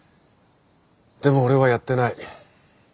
でも俺はやってない。